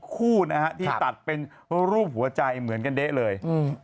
คู่นะฮะที่ตัดเป็นรูปหัวใจเหมือนกันเด๊ะเลย